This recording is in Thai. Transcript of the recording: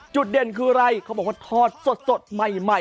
จุดเด่นคืออะไรเขาบอกว่าทอดสดใหม่